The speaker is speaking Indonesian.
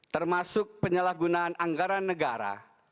termasuk penyalahgunaan anggaran negara